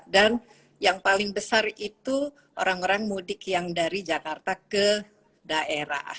dan yang paling besar itu orang orang mudik yang dari jakarta ke daerah